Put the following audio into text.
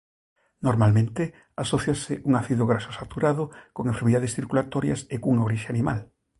Normalmente asóciase un ácido graxo saturado con enfermidades circulatorias e cunha orixe animal.